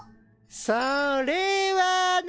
それはね。